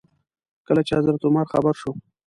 کله چې حضرت عمر خبر شو.